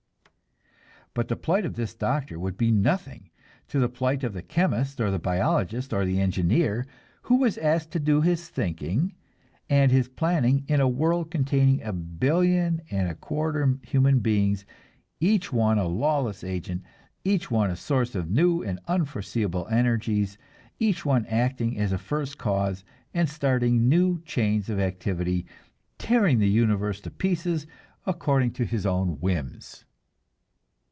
But the plight of this doctor would be nothing to the plight of the chemist or the biologist or the engineer who was asked to do his thinking and his planning in a world containing a billion and a quarter human beings, each one a lawless agent, each one a source of new and unforeseeable energies, each one acting as a "first cause," and starting new chains of activity, tearing the universe to pieces according to his own whims.